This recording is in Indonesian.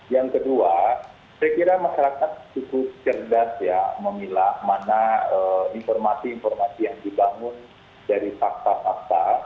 yang kedua saya kira masyarakat cukup cerdas ya memilah mana informasi informasi yang dibangun dari fakta fakta